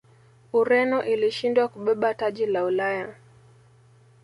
ureno ilishindwa kubeba taji la ulaya